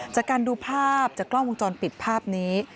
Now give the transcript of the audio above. จากการดูภาพจากกล้องวงจรปิดภาพนี้